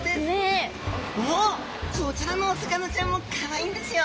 こちらのお魚ちゃんもかわいいんですよ。